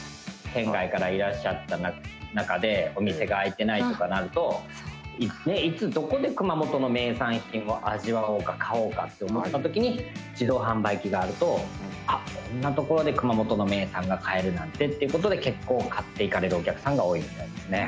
県外からいらっしゃった中でお店が空いてないとかなるといつ、どこで熊本の名産品を味わおうか、買おうかと思ったときに自動販売機があるとあ、こんなところで熊本の名産が買えるなんてっていうことで結構、買っていかれるお客さんが多いみたいですね。